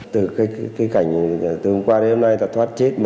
từ cái cảnh từ hôm qua đến hôm nay ta thoát chết một lần